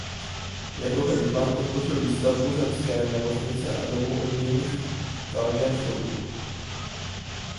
Jako hejtman podpořil výstavbu zemské nemocnice a domu umění v Klagenfurtu.